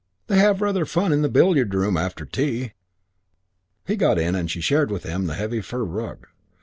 They have rather fun in the billiard room after tea." He got in and she shared with him the heavy fur rug.